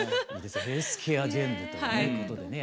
ヘルスケアジェンヌということでね。